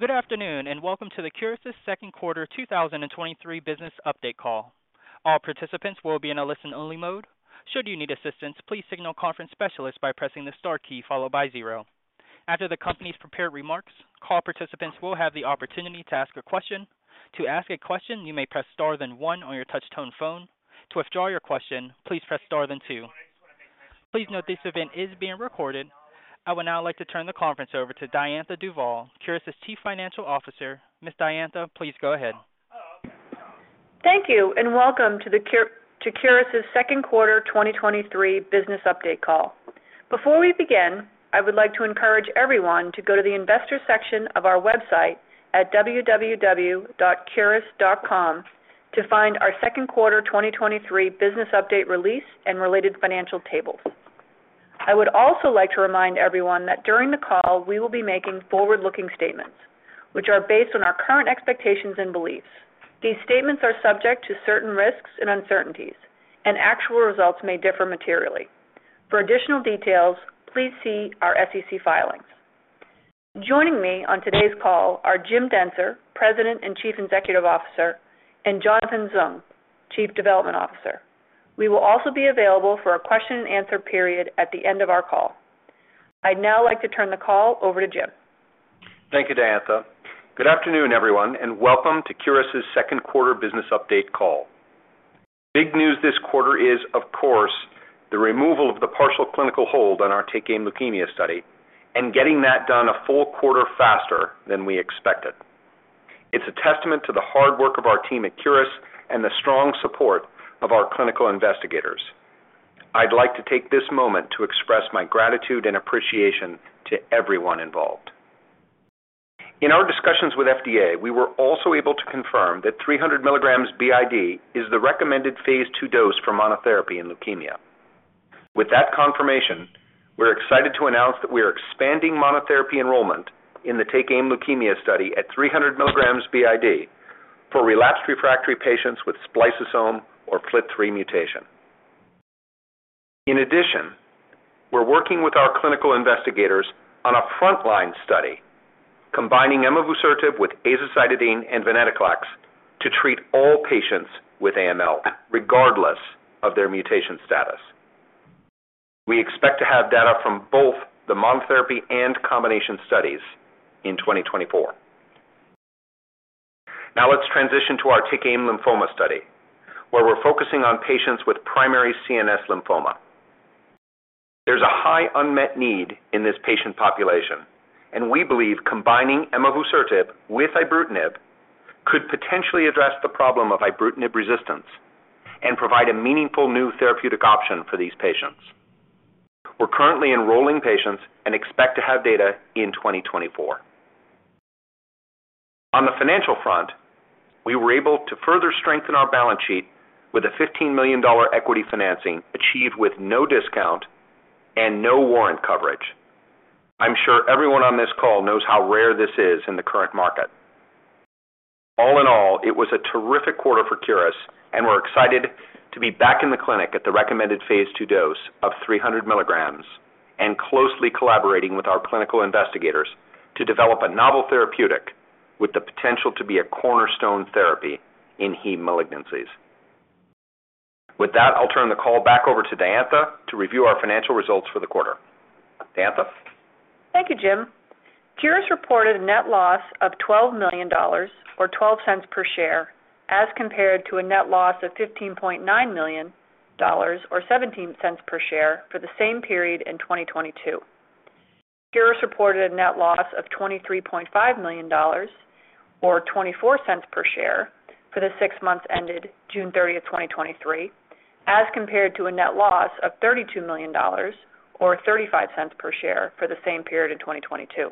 Good afternoon, welcome to the Curis second quarter 2023 business update call. All participants will be in a listen-only mode. Should you need assistance, please signal conference specialist by pressing the star key followed by zero. After the company's prepared remarks, call participants will have the opportunity to ask a question. To ask a question, you may press star then one on your touch-tone phone. To withdraw your question, please press star then two. Please note, this event is being recorded. I would now like to turn the conference over to Diantha Duvall, Curis's Chief Financial Officer. Ms. Diantha, please go ahead. Thank you. Welcome to Curis's second quarter 2023 business update call. Before we begin, I would like to encourage everyone to go to the investors section of our website at www.curis.com to find our second quarter 2023 business update release and related financial tables. I would also like to remind everyone that during the call, we will be making forward-looking statements, which are based on our current expectations and beliefs. These statements are subject to certain risks and uncertainties, actual results may differ materially. For additional details, please see our SEC filings. Joining me on today's call are James Dentzer, President and Chief Executive Officer, and Jonathan Zung, Chief Development Officer. We will also be available for a question and answer period at the end of our call. I'd now like to turn the call over to Jim. Thank you, Diantha. Good afternoon, everyone, and welcome to Curis second quarter business update call. Big news this quarter is, of course, the removal of the partial clinical hold on our TakeAim Leukemia study and getting that done a full quarter faster than we expected. It's a testament to the hard work of our team at Curis and the strong support of our clinical investigators. I'd like to take this moment to express my gratitude and appreciation to everyone involved. In our discussions with FDA, we were also able to confirm that 300 mg BID is the recommended phase II dose for monotherapy in leukemia. With that confirmation, we're excited to announce that we are expanding monotherapy enrollment in the TakeAim Leukemia study at 300 mg BID for relapsed refractory patients with spliceosome or FLT3 mutation. In addition, we're working with our clinical investigators on a frontline study combining emavusertib with azacitidine and venetoclax to treat all patients with AML, regardless of their mutation status. We expect to have data from both the monotherapy and combination studies in 2024. Let's transition to our TakeAim Lymphoma study, where we're focusing on patients with primary CNS lymphoma. There's a high unmet need in this patient population, and we believe combining emavusertib with ibrutinib could potentially address the problem of ibrutinib resistance and provide a meaningful new therapeutic option for these patients. We're currently enrolling patients and expect to have data in 2024. On the financial front, we were able to further strengthen our balance sheet with a $15 million equity financing, achieved with no discount and no warrant coverage. I'm sure everyone on this call knows how rare this is in the current market. All in all, it was a terrific quarter for Curis, we're excited to be back in the clinic at the recommended phase II dose of 300 mg and closely collaborating with our clinical investigators to develop a novel therapeutic with the potential to be a cornerstone therapy in heme malignancies. With that, I'll turn the call back over to Diantha to review our financial results for the quarter. Diantha? Thank you, Jim. Curis reported a net loss of $12 million, or $0.12 per share, as compared to a net loss of $15.9 million, or $0.17 per share, for the same period in 2022. Curis reported a net loss of $23.5 million, or $0.24 per share, for the six months ended June 30th, 2023, as compared to a net loss of $32 million, or $0.35 per share, for the same period in 2022.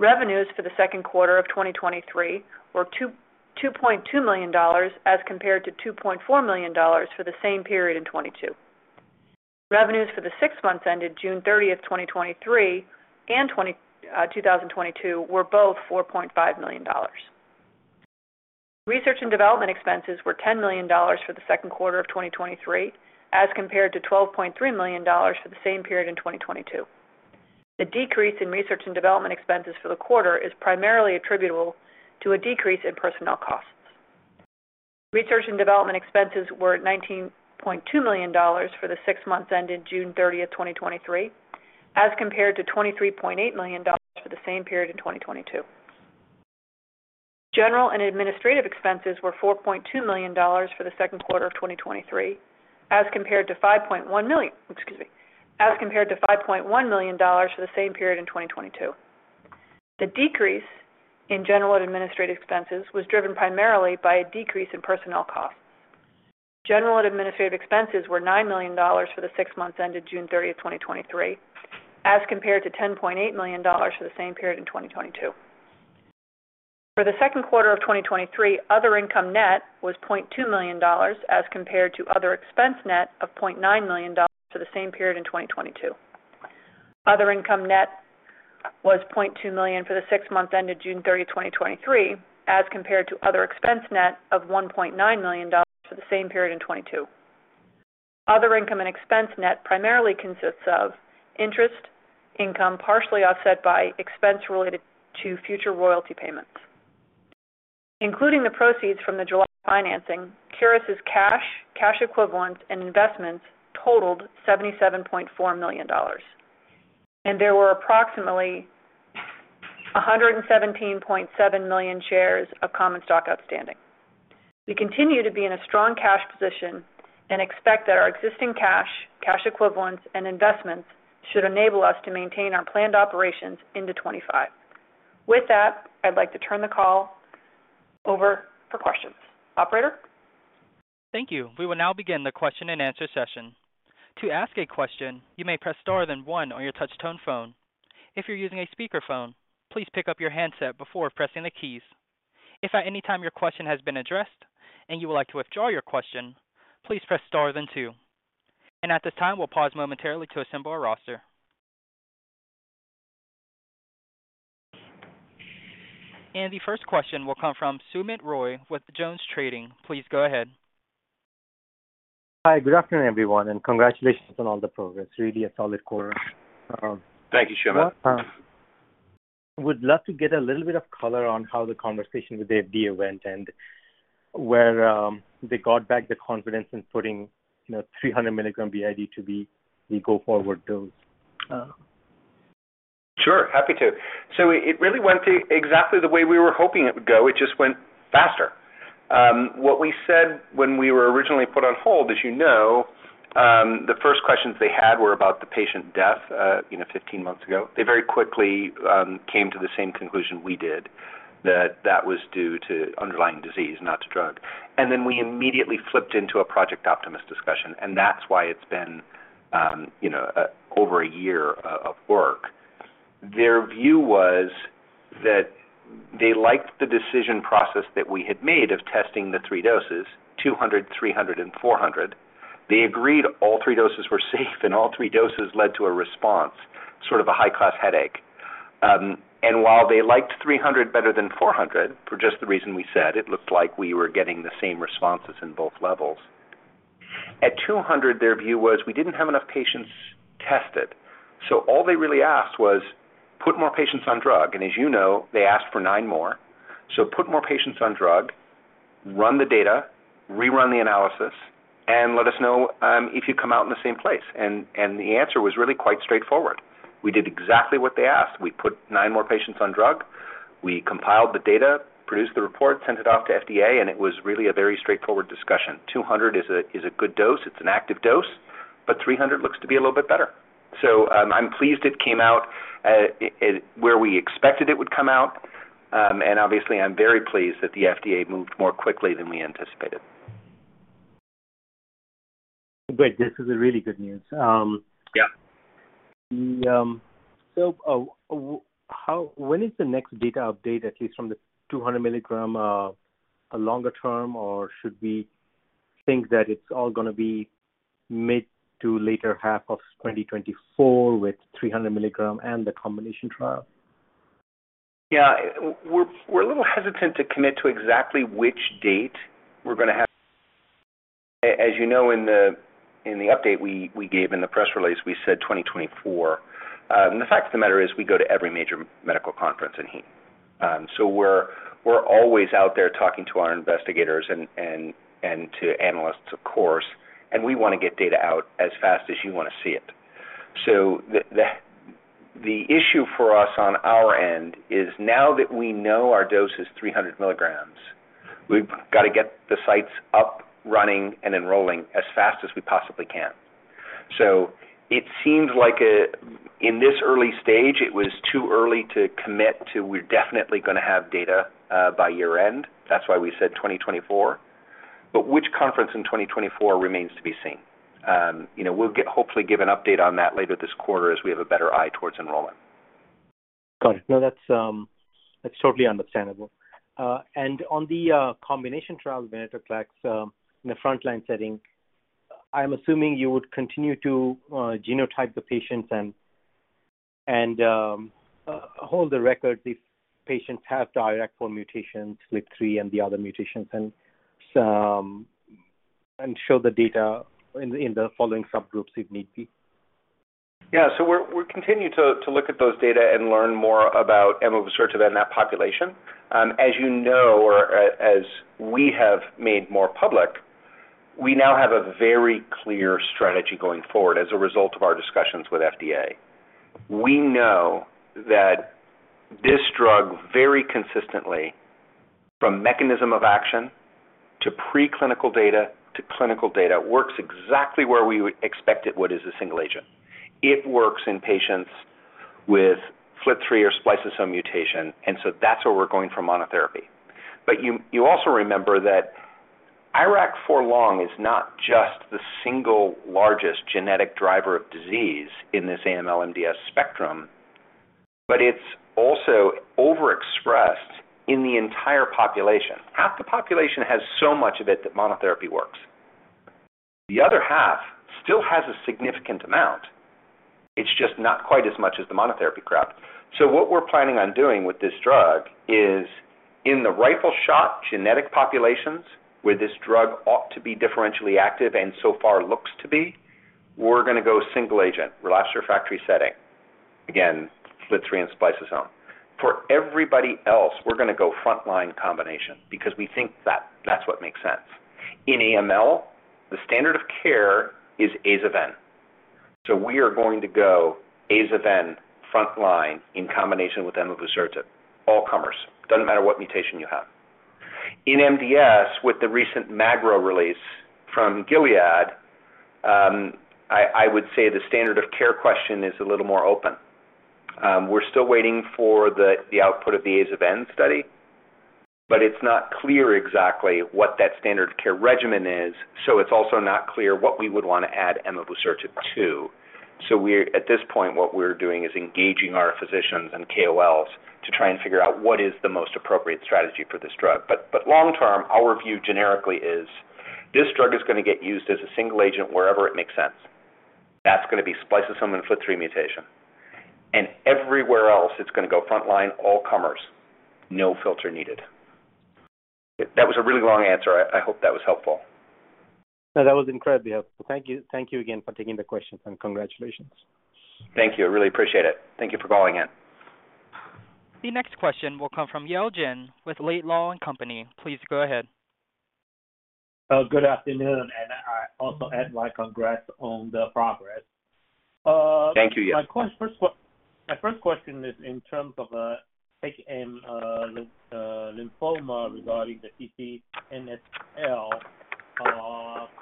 Revenues for the second quarter of 2023 were $2.2 million, as compared to $2.4 million for the same period in 2022. Revenues for the six months ended June 30th, 2023 and 2022, were both $4.5 million. Research and development expenses were $10 million for the second quarter of 2023, as compared to $12.3 million for the same period in 2022. The decrease in research and development expenses for the quarter is primarily attributable to a decrease in personnel costs. Research and development expenses were $19.2 million for the six months ended June 30th, 2023, as compared to $23.8 million for the same period in 2022. General and administrative expenses were $4.2 million for the second quarter of 2023, as compared to $5.1 million, excuse me, as compared to $5.1 million for the same period in 2022. The decrease in general and administrative expenses was driven primarily by a decrease in personnel costs. General and administrative expenses were $9 million for the six months ended June 30, 2023, as compared to $10.8 million for the same period in 2022. For the second quarter of 2023, other income net was $0.2 million, as compared to other expense net of $0.9 million for the same period in 2022. Other income net was $0.2 million for the six months ended June 30, 2023, as compared to other expense net of $1.9 million for the same period in 2022. Other income and expense net primarily consists of interest, income, partially offset by expense related to future royalty payments. Including the proceeds from the July financing, Curis' cash, cash equivalents, and investments totaled $77.4 million, and there were approximately 117.7 million shares of common stock outstanding. We continue to be in a strong cash position and expect that our existing cash, cash equivalents, and investments should enable us to maintain our planned operations into 2025. With that, I'd like to turn the call over for questions. Operator? Thank you. We will now begin the question-and-answer session. To ask a question, you may press star then one on your touch-tone phone. If you're using a speakerphone, please pick up your handset before pressing the keys. If at any time your question has been addressed and you would like to withdraw your question, please press star then two. At this time, we'll pause momentarily to assemble our roster. The first question will come from Soumit Roy with Jones Trading. Please go ahead. Hi, good afternoon, everyone, and congratulations on all the progress. Really a solid quarter. Thank you, Soumit. Would love to get a little bit of color on how the conversation with the FDA went and where, they got back the confidence in putting, you know, 300 mg BID to be the go-forward dose. Sure, happy to. It really went exactly the way we were hoping it would go. It just went faster. What we said when we were originally put on hold, as you know, the first questions they had were about the patient death, you know, 15 months ago. They very quickly came to the same conclusion we did, that that was due to underlying disease, not to drug. We immediately flipped into a Project Optimus discussion, and that's why it's been, you know, over a year of, of work. Their view was that they liked the decision process that we had made of testing the three doses, 200 mg, 300 mg, and 400 mg. They agreed all three doses were safe, and all three doses led to a response, sort of a high-class headache. While they liked 300 mg better than 400 mg, for just the reason we said, it looked like we were getting the same responses in both levels. At 200 mg, their view was we didn't have enough patients tested, all they really asked was: put more patients on drug. As you know, they asked for nine more. Put more patients on drug, run the data, rerun the analysis, and let us know if you come out in the same place. The answer was really quite straightforward. We did exactly what they asked. We put nine more patients on drug. We compiled the data, produced the report, sent it off to FDA, it was really a very straightforward discussion. 200 is a, is a good dose. It's an active dose, 300 mg looks to be a little bit better. I'm pleased it came out where we expected it would come out, and obviously, I'm very pleased that the FDA moved more quickly than we anticipated. Great. This is a really good news. Yeah. How—when is the next data update, at least from the 200 mg, a longer term, or should we think that it's all gonna be mid to later half of 2024 with 300 mg and the combination trial? Yeah, we're, we're a little hesitant to commit to exactly which date we're gonna have. As you know, in the, in the update we, we gave in the press release, we said 2024. The fact of the matter is, we go to every major medical conference in heat. We're, we're always out there talking to our investigators and, and, and to analysts, of course, and we want to get data out as fast as you want to see it. The, the, the issue for us on our end is now that we know our dose is 300 mg, we've got to get the sites up, running, and enrolling as fast as we possibly can. It seems like in this early stage, it was too early to commit to we're definitely gonna have data by year-end. That's why we said 2024. Which conference in 2024 remains to be seen. You know, we'll hopefully give an update on that later this quarter as we have a better eye towards enrollment. Got it. No, that's, that's totally understandable. On the combination trial, venetoclax, in the frontline setting, I'm assuming you would continue to genotype the patients and, and hold the record if patients have IRAK4 mutations, FLT3, and the other mutations, and some, and show the data in the following subgroups, if need be. Yeah. We're continuing to look at those data and learn more about emavusertib in that population. As you know, or as we have made more public, we now have a very clear strategy going forward as a result of our discussions with FDA. We know that this drug very consistently, from mechanism of action to preclinical data to clinical data, works exactly where we would expect it would as a single agent. It works in patients with FLT3 or spliceosome mutation, that's where we're going for monotherapy. You also remember that IRAK4-L is not just the single largest genetic driver of disease in this AML/MDS spectrum, but it's also overexpressed in the entire population. Half the population has so much of it that monotherapy works. The other half still has a significant amount. It's just not quite as much as the monotherapy crowd. What we're planning on doing with this drug is in the rifle shot genetic populations, where this drug ought to be differentially active and so far looks to be, we're gonna go single agent, relapsed refractory setting. Again, FLT3 and spliceosome. For everybody else, we're gonna go frontline combination because we think that that's what makes sense. In AML, the standard of care is azacitidine-venetoclax, so we are going to go azacitidine-venetoclax frontline in combination with emavusertib, all comers. Doesn't matter what mutation you have. In MDS, with the recent magrolimab release from Gilead, I would say the standard of care question is a little more open. We're still waiting for the, the output of the azacitidine-venetoclax study, but it's not clear exactly what that standard of care regimen is, so it's also not clear what we would want to add emavusertib to. At this point, what we're doing is engaging our physicians and KOLs to try and figure out what is the most appropriate strategy for this drug. Long term, our view generically is this drug is gonna get used as a single agent wherever it makes sense. That's gonna be spliceosome and FLT3 mutation. Everywhere else, it's gonna go frontline, all comers, no filter needed. That was a really long answer. I, I hope that was helpful. No, that was incredibly helpful. Thank you. Thank you again for taking the questions, and congratulations. Thank you. I really appreciate it. Thank you for calling in. The next question will come from Yale Jen with Laidlaw & Company. Please go ahead. good afternoon, I also add my congrats on the progress. Thank you, Yale. My first question is in terms of NHL, lymphoma regarding the PCNSL,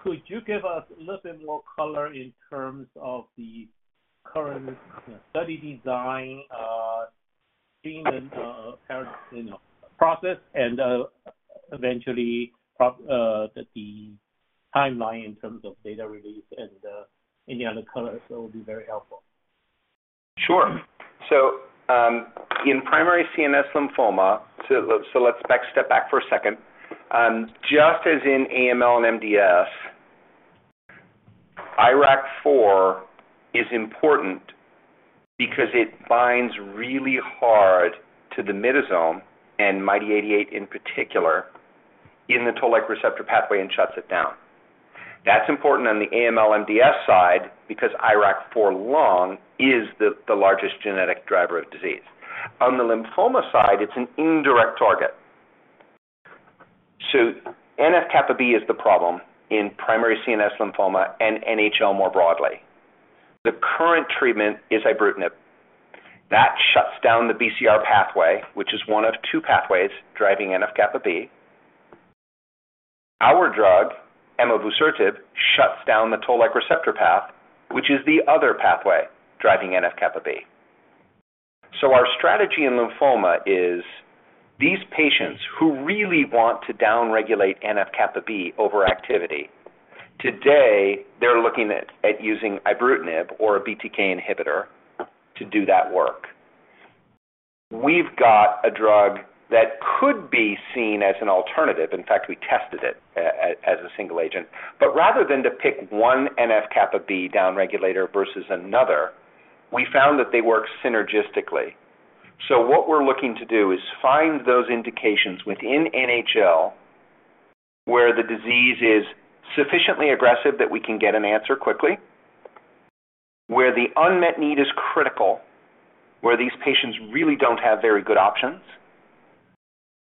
could you give us a little bit more color in terms of the current study design, being in, you know, process and, eventually, the, the timeline in terms of data release and any other color, so will be very helpful? Sure. In primary CNS lymphoma, let's step back for a second. Just as in AML and MDS, IRAK4 is important because it binds really hard to the Myddosome and MyD88 in particular, in the Toll-like receptor pathway and shuts it down. That's important on the AML MDS side because IRAK4-L is the largest genetic driver of disease. On the lymphoma side, it's an indirect target. NF-kappa B is the problem in primary CNS lymphoma and NHL more broadly. The current treatment is ibrutinib. That shuts down the BCR pathway, which is one of two pathways driving NF-kappa B. Our drug, emavusertib, shuts down the Toll-like receptor path, which is the other pathway driving NF-kappa B. Our strategy in lymphoma is, these patients who really want to downregulate NF-kappa B over activity, today they're looking at using ibrutinib or a BTK inhibitor to do that work. We've got a drug that could be seen as an alternative. In fact, we tested it as a single agent. Rather than to pick one NF-kappa B downregulator versus another, we found that they work synergistically. What we're looking to do is find those indications within NHL, where the disease is sufficiently aggressive that we can get an answer quickly, where the unmet need is critical, where these patients really don't have very good options,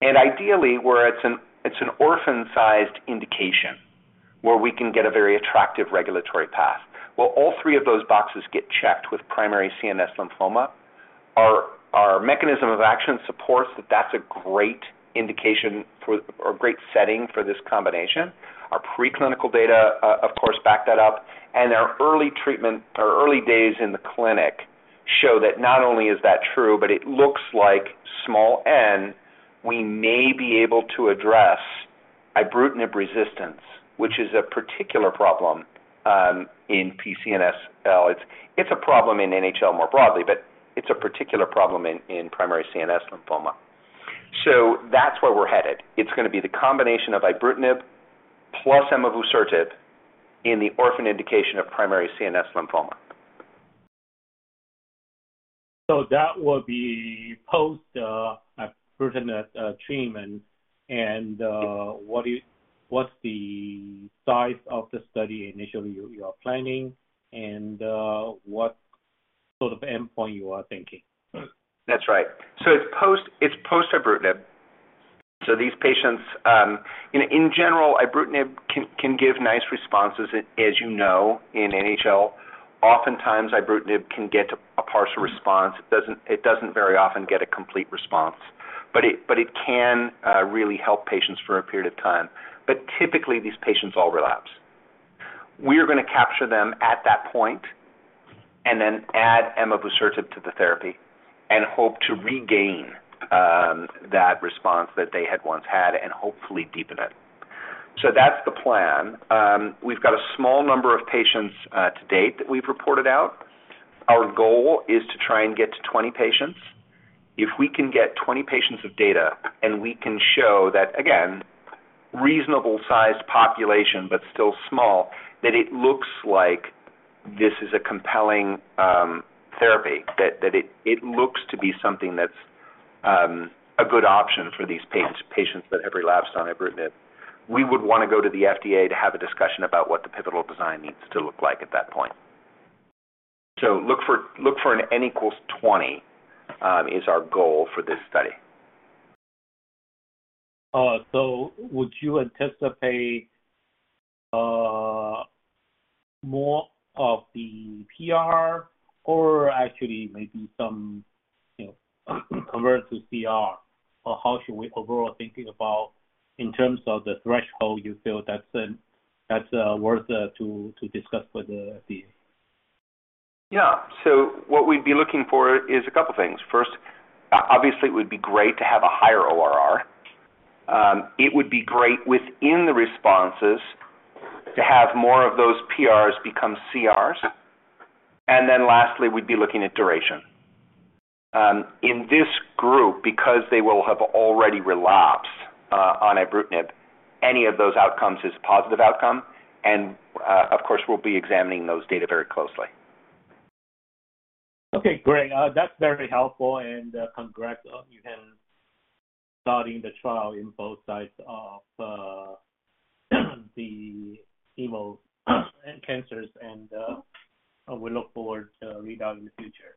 and ideally, where it's an orphan-sized indication, where we can get a very attractive regulatory path. All three of those boxes get checked with primary CNS lymphoma. Our mechanism of action supports that's a great indication for or a great setting for this combination. Our preclinical data, of course, back that up, our early treatment or early days in the clinic show that not only is that true, but it looks like small n, we may be able to address ibrutinib resistance, which is a particular problem in PCNSL. It's a problem in NHL more broadly, it's a particular problem in primary CNS lymphoma. That's where we're headed. It's gonna be the combination of ibrutinib plus emavusertib in the orphan indication of primary CNS lymphoma. That will be post-ibrutinib treatment. What's the size of the study initially you are planning, and what sort of endpoint you are thinking? That's right. It's post, it's post-ibrutinib. These patients, in, in general, ibrutinib can, can give nice responses, as you know, in NHL. Oftentimes, ibrutinib can get a partial response. It doesn't, it doesn't very often get a complete response, but it, but it can, really help patients for a period of time. Typically, these patients all relapse. We're gonna capture them at that point and then add emavusertib to the therapy and hope to regain, that response that they had once had and hopefully deepen it. That's the plan. We've got a small number of patients to date, that we've reported out. Our goal is to try and get to 20 patients. If we can get 20 patients of data, and we can show that, again, reasonable sized population, but still small, that it looks like this is a compelling therapy, that it looks to be something that's a good option for these patients, patients that have relapsed on ibrutinib. We would want to go to the FDA to have a discussion about what the pivotal design needs to look like at that point. look for, look for an N = 20 is our goal for this study. Would you anticipate, more of the PR or actually maybe some, you know, convert to CR? How should we overall thinking about in terms of the threshold you feel that's worth to discuss with the FDA? Yeah. What we'd be looking for is two things. First, obviously, it would be great to have a higher ORR. It would be great within the responses to have more of those PRs become CRs. Then lastly, we'd be looking at duration. In this group, because they will have already relapsed on ibrutinib, any of those outcomes is a positive outcome. Of course, we'll be examining those data very closely. Okay, great. That's very helpful. Congrats, you have starting the trial in both sides of the chemo and cancers, and, we look forward to read out in the future.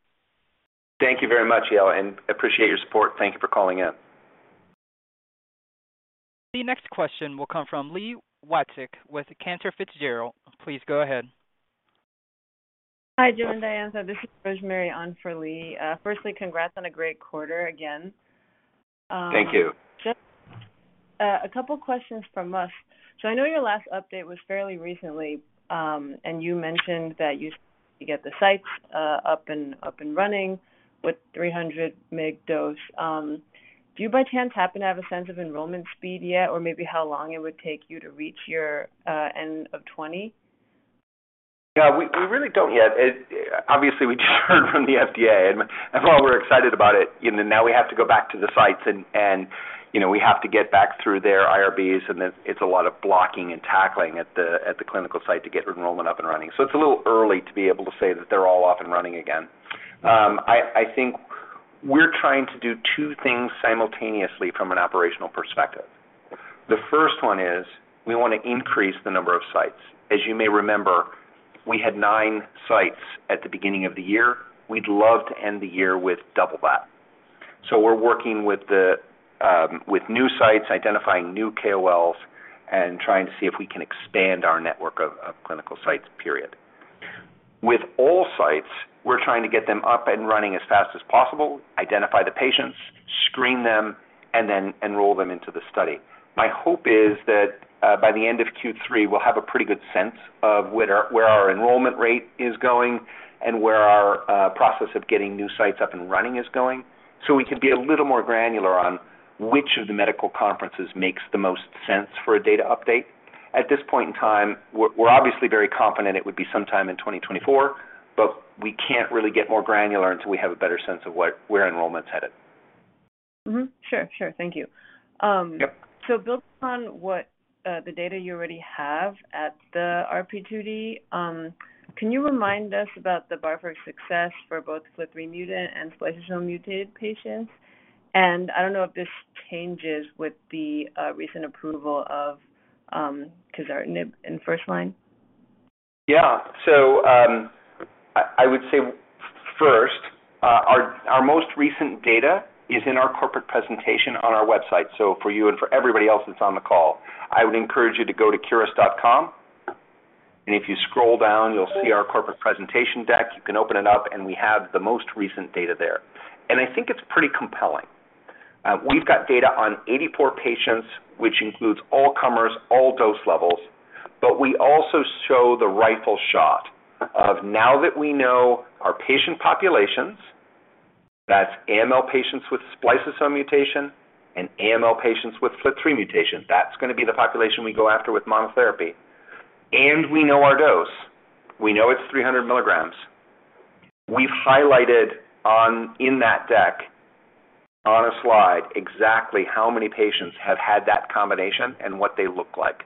Thank you very much, Yao, and appreciate your support. Thank you for calling in. The next question will come from Li Watsek with Cantor Fitzgerald. Please go ahead. Hi, Jim and Diana. This is Rosemary on for Li. Firstly, congrats on a great quarter again. Thank you. A couple questions from us. I know your last update was fairly recently, and you mentioned that you get the sites up and, up and running with 300 mg dose. Do you by chance happen to have a sense of enrollment speed yet, or maybe how long it would take you to reach your N of 20? Yeah, we, we really don't yet. Obviously, we just heard from the FDA, and while we're excited about it, you know, now we have to go back to the sites and, you know, we have to get back through their IRBs, and then it's a lot of blocking and tackling at the clinical site to get enrollment up and running. It's a little early to be able to say that they're all off and running again. I think we're trying to do two things simultaneously from an operational perspective. The first one is we want to increase the number of sites. As you may remember, we had nine sites at the beginning of the year. We'd love to end the year with double that. We're working with new sites, identifying new KOLs, and trying to see if we can expand our network of clinical sites, period. With all sites, we're trying to get them up and running as fast as possible, identify the patients, screen them, and then enroll them into the study. My hope is that by the end of Q3, we'll have a pretty good sense of where our, where our enrollment rate is going and where our process of getting new sites up and running is going, so we can be a little more granular on which of the medical conferences makes the most sense for a data update. At this point in time, we're, we're obviously very confident it would be sometime in 2024, we can't really get more granular until we have a better sense of what, where enrollment's headed. Mm-hmm. Sure, sure. Thank you. Yep. Building on what, the data you already have at the RP2D, can you remind us about the bar for success for both FLT3 mutant and spliceosome mutated patients? I don't know if this changes with the, recent approval of, quizartinib in first line. Yeah. I would say first, our most recent data is in our corporate presentation on our website. For you and for everybody else that's on the call, I would encourage you to go to curis.com, and if you scroll down, you'll see our corporate presentation deck. You can open it up, and we have the most recent data there, and I think it's pretty compelling. We've got data on 84 patients, which includes all comers, all dose levels, but we also show the rifle shot of now that we know our patient populations, that's AML patients with spliceosome mutation and AML patients with FLT3 mutation. That's gonna be the population we go after with monotherapy. We know our dose. We know it's 300 mg. We've highlighted on, in that deck on a slide, exactly how many patients have had that combination and what they look like.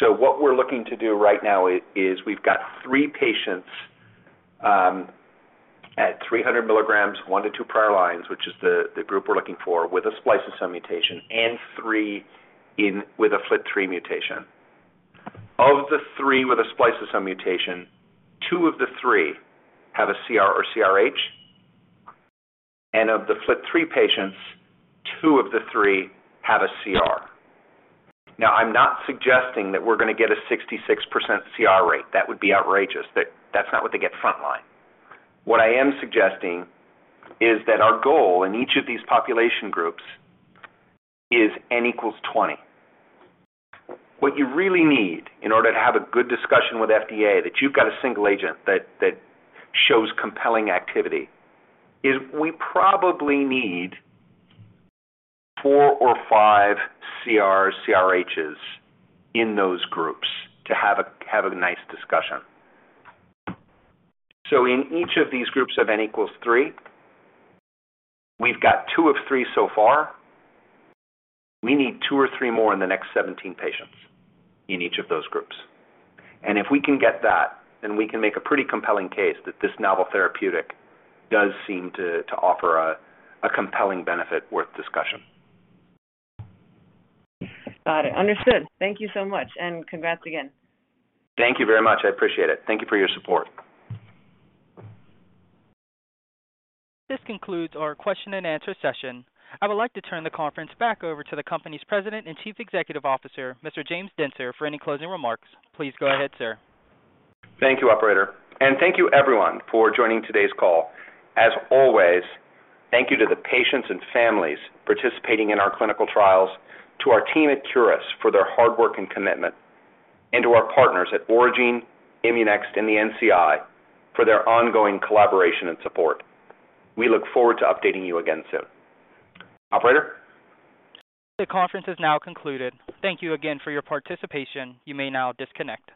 What we're looking to do right now is we've got three patients at 300 mg, one to two prior lines, which is the group we're looking for, with a spliceosome mutation and three in with a FLT3 mutation. Of the three with a spliceosome mutation, two of the three have a CR or CRh, and of the FLT3 patients, two of the three have a CR. I'm not suggesting that we're gonna get a 66% CR rate. That would be outrageous. That's not what they get frontline. What I am suggesting is that our goal in each of these population groups is N = 20. What you really need in order to have a good discussion with FDA, that you've got a single agent that, that shows compelling activity, is we probably need three or four CR, CRHs in those groups to have a, have a nice discussion. In each of these groups of N = 3, we've got two of three so far. We need two or three more in the next 17 patients in each of those groups. If we can get that, then we can make a pretty compelling case that this novel therapeutic does seem to, to offer a, a compelling benefit worth discussion. Got it. Understood. Thank you so much. Congrats again. Thank you very much. I appreciate it. Thank you for your support. This concludes our question and answer session. I would like to turn the conference back over to the company's President and Chief Executive Officer, Mr. James Dentzer, for any closing remarks. Please go ahead, sir. Thank you, Operator, and thank you everyone for joining today's call. As always, thank you to the patients and families participating in our clinical trials, to our team at Curis for their hard work and commitment, and to our partners at Aurigene, ImmuNext, and the NCI for their ongoing collaboration and support. We look forward to updating you again soon. Operator? The conference is now concluded. Thank you again for your participation. You may now disconnect.